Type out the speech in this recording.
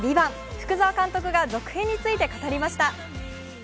福澤監督が続編について語りました。